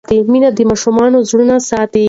مینه د ماشوم زړونه ساتي.